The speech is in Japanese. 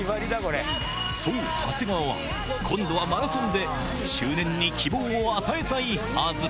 そう、長谷川は、今度はマラソンで中年に希望を与えたいはず。